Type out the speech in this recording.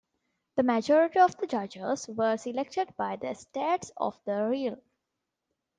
The majority of the judges were selected by the Estates of the realm.